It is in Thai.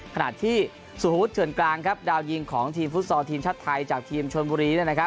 ขนาดที่สู่ฮุฒิเฉินกลางดาวน์ยิงของทีมฟุตซอลทีมชาติไทยจากทีมชนบุรี